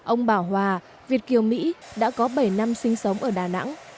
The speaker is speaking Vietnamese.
ông bảo hòa việt kiều mỹ đã có bảy năm sinh sống ở đà nẵng